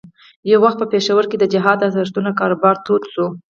یو وخت په پېښور کې د جهاد ارزښتونو کاروبار تود شو.